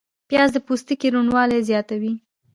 پیاز د پوستکي روڼوالی زیاتوي